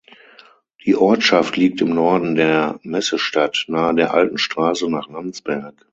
Die Ortschaft liegt im Norden der Messestadt nahe der alten Straße nach Landsberg.